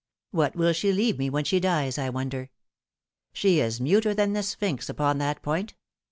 What will she leave me when she dies, I wonder ? She is muter than the Sphinx upon that point.